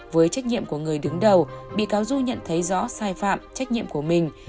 với trách nhiệm của người đứng đầu bị cáo du nhận thấy rõ sai phạm trách nhiệm của mình